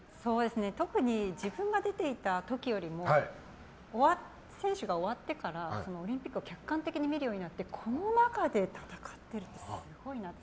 特に自分が出ていた時よりも選手時代が終わってからオリンピックを客観的に見るようになってこの中で戦ってるってすごいなって。